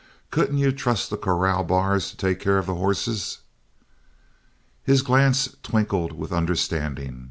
Couldn't you trust the corral bars to take care of the horses?" His glance twinkled with understanding.